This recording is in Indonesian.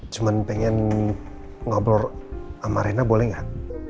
cuma pengen ngobrol sama rena boleh gak